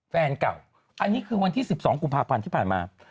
แฟนเก่าอันนี้คือวันที่๑๒กุมภาพันธ์ที่ผ่านมา